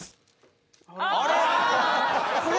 あれ？